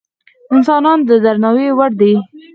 انسانان د درناوي وړ دي.